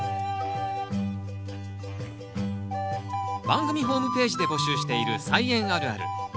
番組ホームページで募集している「菜園あるある」。